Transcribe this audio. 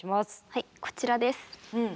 はいこちらです。